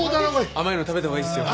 甘いの食べたほうがいいですよ。